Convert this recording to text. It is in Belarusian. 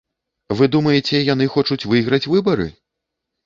Вы думаеце, яны хочуць выйграць выбары?